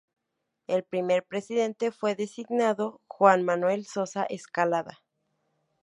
El primer presidente fue designado Juan Manuel Sosa Escalada.